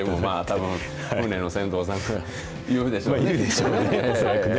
そんなん、船の船頭さん、言うんでしょうね。